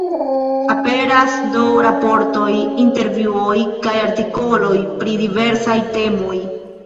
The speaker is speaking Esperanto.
Aperas do raportoj, intervjuoj kaj artikoloj pri diversaj temoj.